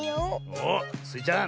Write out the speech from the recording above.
おおスイちゃん